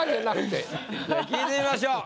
では聞いてみましょう。